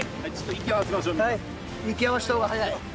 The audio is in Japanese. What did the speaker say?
息合わせた方が早い。